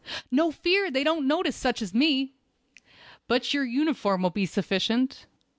"No fear, they don't notice such as me!" "But your uniform will be sufficient."